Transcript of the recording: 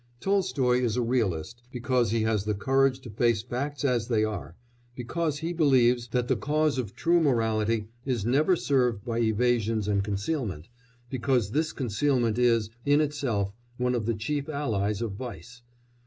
Tolstoy is a realist because he has the courage to face facts as they are, because he believes that the cause of true morality is never served by evasions and concealment, because this concealment is, in itself, one of the chief allies of vice.